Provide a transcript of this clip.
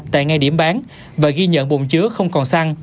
tại ngay điểm bán và ghi nhận bồn chứa không còn xăng